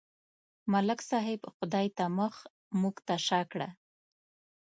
ملک صاحب خدای ته مخ، موږ ته شا کړه.